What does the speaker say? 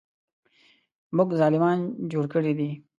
موږ ظالمان جوړ کړي دي.